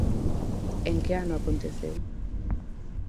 En que ano aconteceu?